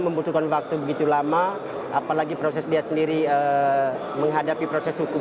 membutuhkan waktu begitu lama apalagi proses dia sendiri menghadapi proses hukum